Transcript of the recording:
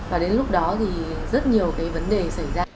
và đến lúc đó thì rất nhiều cái vấn đề xảy ra